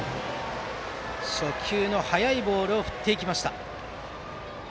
初球の速いボールを振っていきました。